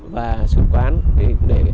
và sứ quán để